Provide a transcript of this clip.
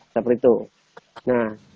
seperti itu nah